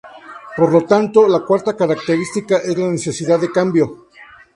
Por lo tanto, la cuarta característica es la necesidad de cambio.